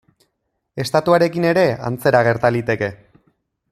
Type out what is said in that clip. Estatuarekin ere antzera gerta liteke.